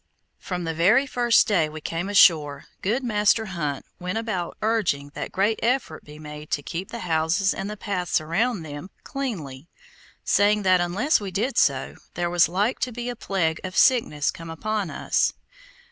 From the very first day we came ashore, good Master Hunt went about urging that great effort be made to keep the houses, and the paths around them, cleanly, saying that unless we did so, there was like to be a sickness come among us.